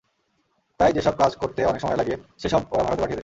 তাই যেসব কাজ করতে অনেক সময় লাগে, সেসব ওরা ভারতে পাঠিয়ে দেয়।